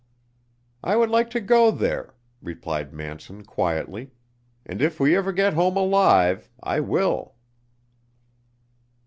"I would like to go there," replied Manson quietly, "and if we ever get home alive, I will."